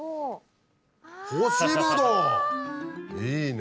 いいね。